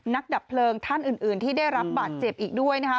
ดับเพลิงท่านอื่นที่ได้รับบาดเจ็บอีกด้วยนะคะ